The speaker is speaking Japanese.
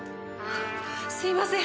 すいません